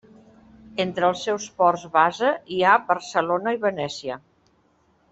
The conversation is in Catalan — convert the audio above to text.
Entre els seus ports base hi ha Barcelona i Venècia.